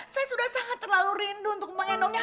saya sudah sangat terlalu rindu untuk mengendoknya